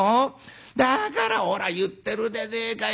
だからほら言ってるでねえかよ。